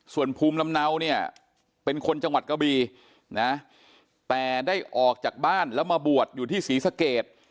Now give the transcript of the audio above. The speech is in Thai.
ส่วนภูมิลำเนาเนี่ยเป็นคนจังหวัดกะบีนะแต่ได้ออกจากบ้านแล้วมาบวชอยู่ที่ศรีสเกต